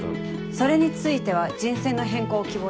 それについては人選の変更を希望します。